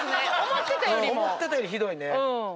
思ってたよりひどいね。